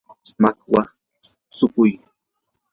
makwa shukuy.